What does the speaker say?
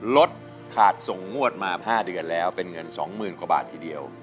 ลดขาดส่งงวดมา๕เดือนแล้วเป็นเงิน๒๐๐๐กว่าบาททีเดียว